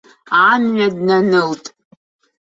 Амҩа днанылт.